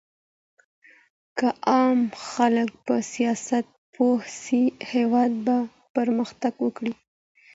که عام خلګ په سياست پوه سي هيواد به پرمختګ وکړي.